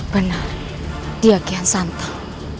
benar dia kian santau